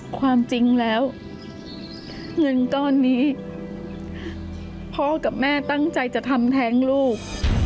ความจริงแล้วเงินก้อนนี้พ่อกับแม่ตั้งใจจะทำแท้งลูก